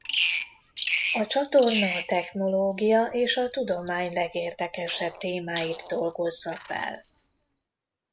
A csatorna a technológia és a tudomány legérdekesebb témáit dolgozza fel.